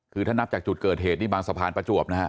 คือถ้านับจากจุดเกิดเหตุนี่บางสะพานประจวบนะฮะ